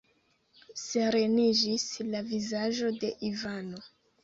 Sereniĝis la vizaĝo de Ivano.